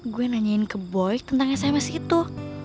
gue nanyain ke boy tentang sms itu